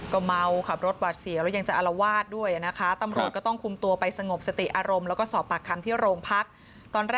ก็มอวเขิบรถบาดสี่และยังจะอละวาดด้วยนะคะตำรวจก็ต้องคุมตัวไปสงบสติอารมณ์แล้วก็สอบปากคำที่โรงพักษณ์